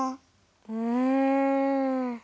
うん。